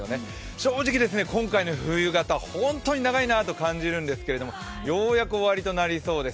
正直、今回の冬型、本当に長いなと感じているんですけどようやく終わりとなりそうです。